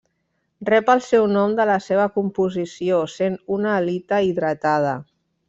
Rep el seu nom de la seva composició, sent una halita hidratada.